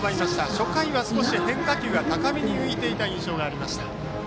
初回は少し変化球が高めに浮いていた印象がありました。